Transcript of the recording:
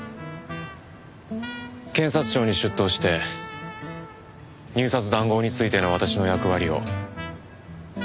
検察庁に出頭して入札談合についての私の役割を。